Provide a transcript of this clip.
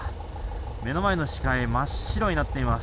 目の前の視界真っ白になっています。